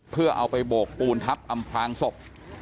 เพื่อเอาไปโบกปูนทับอำพลางศพ